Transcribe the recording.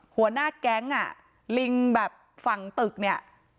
หัวหน้าแก๊งลิงแบบฝั่งตึกเนี่ย่ตัวนี้เลย